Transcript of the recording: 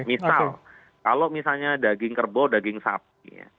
misal kalau misalnya daging kerbau daging sapi